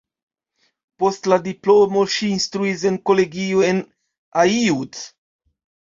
Post la diplomo ŝi instruis en kolegio en Aiud.